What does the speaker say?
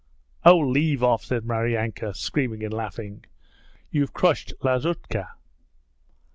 'Oh, leave off!' said Maryanka, screaming and laughing. 'You've crushed Lazutka.'